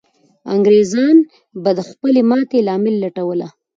انګریزان به د خپلې ماتې لامل لټوله.